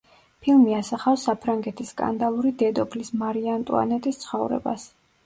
ფილმი ასახავს საფრანგეთის სკანდალური დედოფლის მარი ანტუანეტის ცხოვრებას.